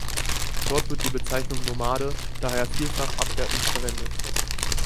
Dort wird die Bezeichnung "Nomade" daher vielfach abwertend verwendet.